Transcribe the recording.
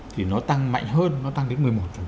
thì nó tăng mạnh hơn nó tăng đến một mươi một